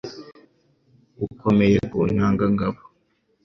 ukomeye ku ntanga ngabo